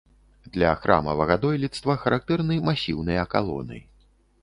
Для храмавага дойлідства характэрны масіўныя калоны.